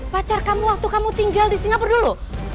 pacar kamu waktu kamu tinggal di singapura dulu